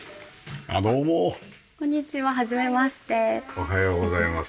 おはようございます。